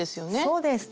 そうです。